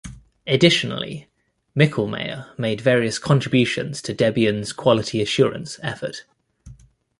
Additionally, Michlmayr made various contributions to Debian's quality assurance effort.